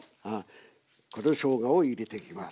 このしょうがを入れていきます。